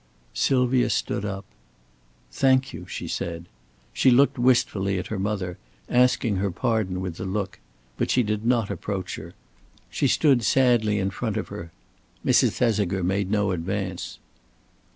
Sylvia stood up. "Thank you," she said. She looked wistfully at her mother, asking her pardon with the look. But she did not approach her. She stood sadly in front of her. Mrs. Thesiger made no advance.